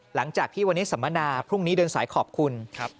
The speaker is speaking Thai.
หลังจากที่วันนี้สัมมนาพรุ่งนี้เดินสายขอบคุณครับ